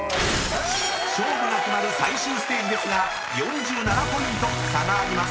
［勝負が決まる最終ステージですが４７ポイント差があります］